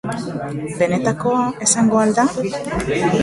Benetakoa izango al da?